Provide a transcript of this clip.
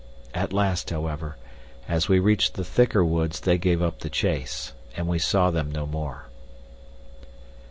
At last, however, as we reached the thicker woods they gave up the chase, and we saw them no more.